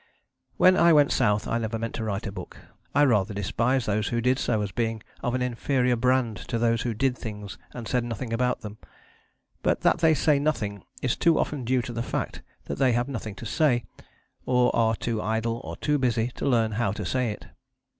When I went South I never meant to write a book: I rather despised those who did so as being of an inferior brand to those who did things and said nothing about them. But that they say nothing is too often due to the fact that they have nothing to say, or are too idle or too busy to learn how to say it.